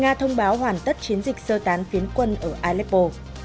nga thông báo hoàn tất chiến dịch sơ tán phiến quân ở aleppo